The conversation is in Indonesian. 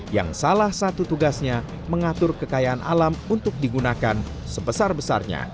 yang salah satu tugasnya mengatur kekayaan alam untuk digunakan sebesar besarnya